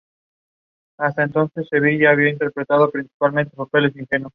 Gusta de zonas abiertas, cálidas y secas, y en tierras rurales, preferentemente cultivadas.